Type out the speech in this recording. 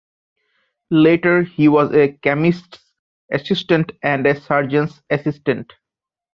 Later, he was a chemist's assistant and a surgeon's assistant.